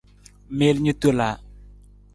Miil ni tola.